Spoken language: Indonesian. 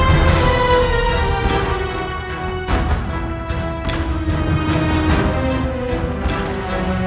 kau harus mengalahkan kami